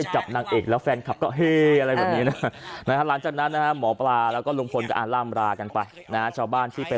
ขอบคุณแฟนค์กับลุงพลด้วยนะครับ